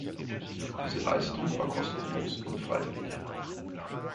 Diese Leistung war kostenlos und freiwillig.